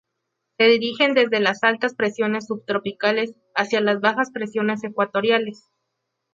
Se dirigen desde las altas presiones subtropicales, hacia las bajas presiones ecuatoriales.